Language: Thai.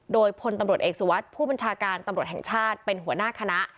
โดยพลตำรวจเอกสุวัสดิ์ผู้บัญชาการตำรวจแห่งชาติเป็นหัวหน้าคณะ